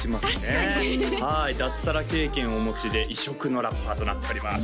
確かにはい脱サラ経験をお持ちで異色のラッパーとなっております